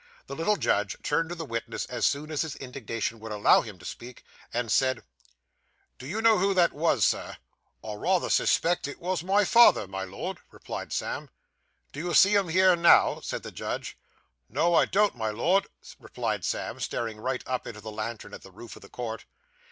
The little judge turned to the witness as soon as his indignation would allow him to speak, and said 'Do you know who that was, sir?' 'I rayther suspect it was my father, my lord,' replied Sam. 'Do you see him here now?' said the judge. 'No, I don't, my Lord,' replied Sam, staring right up into the lantern at the roof of the court.